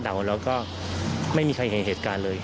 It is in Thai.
เราก็ไม่มีใครเห็นเหตุการณ์เลย